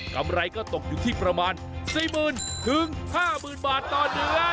กำไรก็ตกอยู่ที่ประมาณ๔๐๐๐๕๐๐๐บาทต่อเดือน